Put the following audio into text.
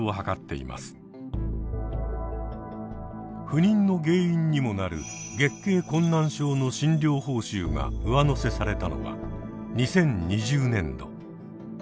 不妊の原因にもなる月経困難症の診療報酬が上乗せされたのは２０２０年度。